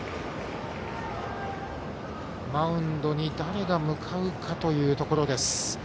マウンドに誰が向かうかというところです。